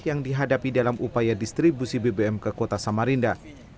yang dihadapi dalam upaya distribusi bbm ke kota samarinda